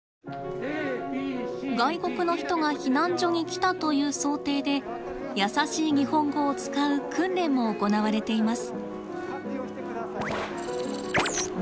外国の人が避難所に来たという想定で「やさしい日本語」を使う訓練も行われています。